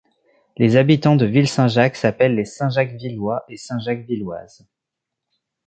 Les habitants de Ville-Saint-Jacques s'appellent les Saint-Jacques-Villois et Saint-Jacques-Villoises.